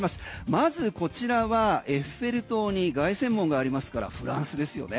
まずこちらはエッフェル塔に凱旋門がありますからフランスですよね。